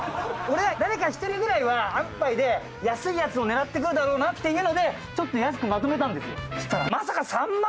誰か一人ぐらいは安パイで安いやつを狙ってくるだろうなっていうのでちょっと安くまとめたんですよ。